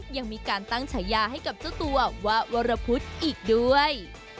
ยังมีการตั้งฉายาให้กับเจ้าตัวว่าวรพุธอีกด้วย